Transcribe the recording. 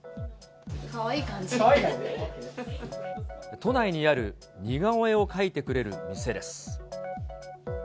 都内にある似顔絵を描いてくれる店です。